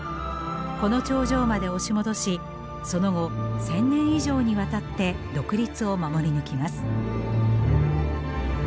この長城まで押し戻しその後１，０００年以上にわたって独立を守り抜きます。